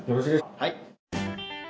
はい。